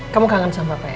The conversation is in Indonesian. kamu kangen sama papa ya